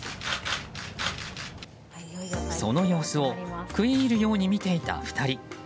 その様子を食い入るように見ていた２人。